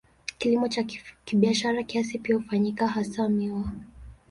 Kilimo cha kibiashara kiasi pia hufanyika, hasa miwa.